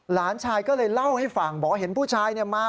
หลานชายก็เลยเล่าให้ฟังบอกว่าเห็นผู้ชายมา